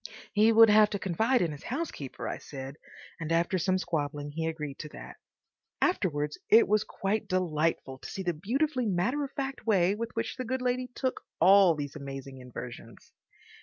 He would have to confide in his housekeeper, I said; and after some squabbling he agreed to that. (Afterwards it was quite delightful to see the beautifully matter of fact way with which the good lady took all these amazing inversions.)